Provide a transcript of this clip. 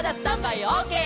オーケー！」